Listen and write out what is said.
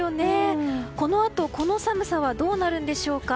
このあと、この寒さはどうなるんでしょうか。